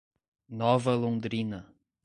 Nova Londrina